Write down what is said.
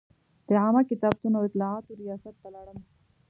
د عامه کتابتون او اطلاعاتو ریاست ته لاړم.